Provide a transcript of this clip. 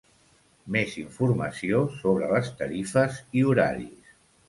Més informació sobre les tarifes i horaris.